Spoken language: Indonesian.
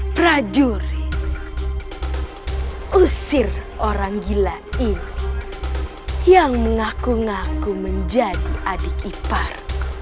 prajuritus i must say orang gila ini yang mengaku ngaku menjadi adik ipar